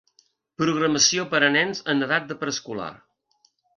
Programació per a nens en edat de preescolar.